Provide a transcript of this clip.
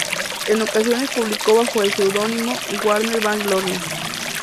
En ocasiones publicó bajo el seudónimo Warner Van Lorne.